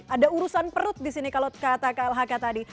ada urusan perut di sini kalau kata klhk tadi